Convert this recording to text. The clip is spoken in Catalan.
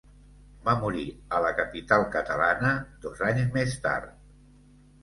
Va morir a la capital catalana dos anys més tard.